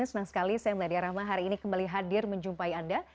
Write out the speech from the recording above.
senang sekali saya meladia rahma hari ini kembali hadir menjumpai anda